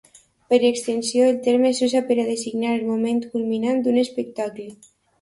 Per extensió, el terme s'usa per designar el moment culminant d'un espectacle.